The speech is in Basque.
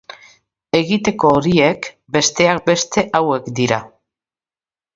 Egiteko horiek, besteak beste, hauek dira.